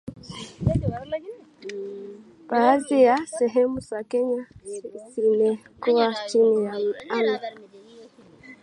Baadhi ya sehemu za Kenya zimekuwa chini ya amri